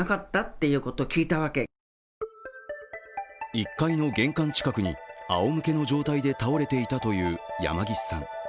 １階の玄関近くにあおむけの状態で倒れていたという山岸さん。